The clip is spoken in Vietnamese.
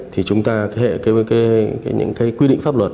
thì chúng ta hệ những cái quy định pháp luật